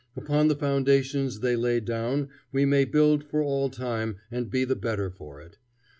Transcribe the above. Upon the foundations they laid down we may build for all time and be the better for it.